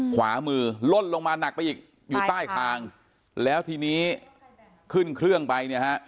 ขวามือล่นลงมาหนักไปอีกอยู่ใต้คางแล้วทีนี้ขึ้นเครื่องไปเนี่ยฮะ